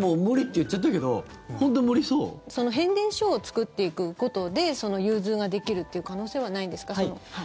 もう無理って言っちゃったけど変電所を作っていくことで融通ができるって可能性はないんですか？